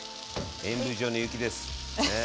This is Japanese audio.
演舞場の雪です。ね。